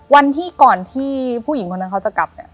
วันที่ก่อนที่ผู้หญิงคนนั้นเขาจะกลับเนี่ย